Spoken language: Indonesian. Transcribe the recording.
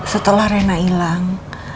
setelah rena ilang